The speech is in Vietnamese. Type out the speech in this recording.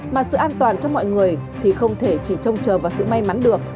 mà sự an toàn cho mọi người thì không thể chỉ trông chờ vào sự may mắn được